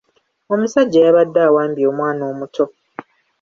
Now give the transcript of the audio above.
Omusajja yabadde awambye omwana omuto.